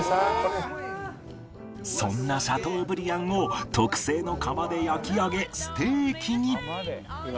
そんなシャトーブリアンを特製の窯で焼き上げステーキに